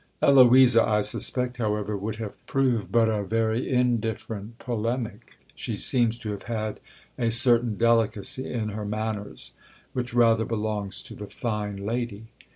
Eloisa, I suspect, however, would have proved but a very indifferent polemic; she seems to have had a certain delicacy in her manners which rather belongs to the fine lady.